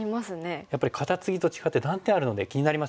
やっぱりカタツギと違って断点あるので気になりますよね。